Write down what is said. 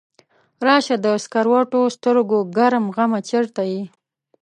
راشه د سکروټو سترګو ګرم غمه چرته یې؟